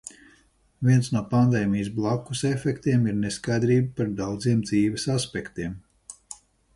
Viens no pandēmijas "blakusefektiem" ir neskaidrība par daudziem dzīves aspektiem.